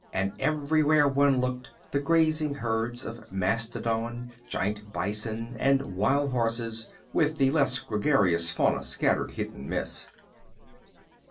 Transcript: And everywhere one looked, the grazing herds of mastodon, giant bison and wild horses, with the less gregarious fauna scattered hit and miss.